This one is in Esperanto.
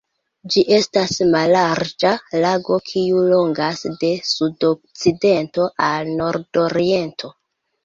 Ĝi estas mallarĝa lago kiu longas de sudokcidento al nordoriento.